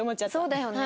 そうだよね。